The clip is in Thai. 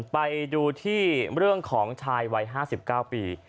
ไปดูที่เรื่องของชายวัย๕๙ปี